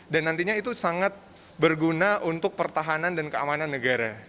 dan nantinya itu sangat berguna untuk pertahanan dan keamanan negara